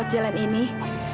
itu startlednya lagi nih